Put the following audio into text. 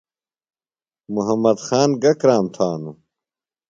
محمد خان گہ کرام تھانوۡ؟